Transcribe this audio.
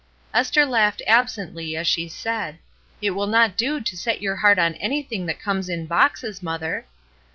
Esther laughed absently as she said, "It will not do to set your heart on anything that comes in boxes, mother."